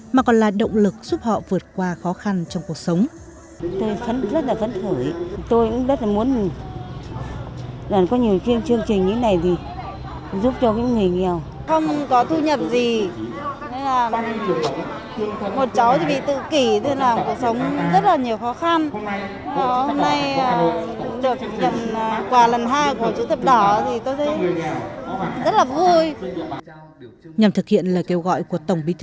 mà còn là động lực giúp họ vượt qua khó khăn trong cuộc sống